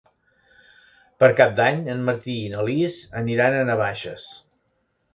Per Cap d'Any en Martí i na Lis aniran a Navaixes.